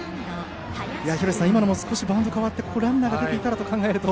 今のも少しバウンドが変わってランナーが出ていたらと思うと。